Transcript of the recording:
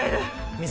水